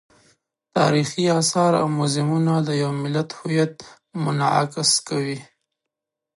تاریخي آثار او موزیمونه د یو ملت هویت منعکس کوي.